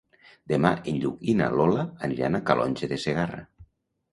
Demà en Lluc i na Lola aniran a Calonge de Segarra.